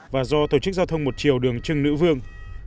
và do tổ chức giao thông một chiều đường trưng nữ vương